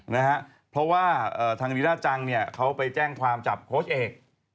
นะฮะเพราะว่าทางนิราจังเขาไปแจ้งความจับโคลชเอก